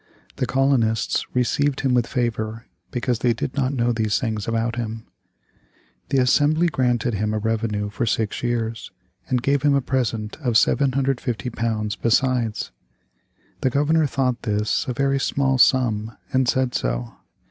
The colonists received him with favor, because they did not know these things about him. The Assembly granted him a revenue for six years, and gave him a present of £750 besides. The Governor thought this a very small sum and said so.